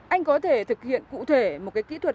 anh có thể thực hiện cụ thể một cái kỹ thuật